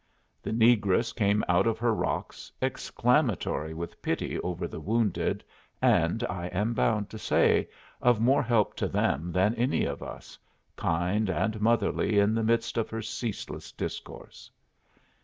The negress came out of her rocks, exclamatory with pity over the wounded, and, I am bound to say, of more help to them than any of us, kind and motherly in the midst of her ceaseless discourse.